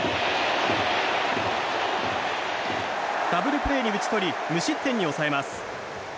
ダブルプレーに打ち取り無失点に抑えます。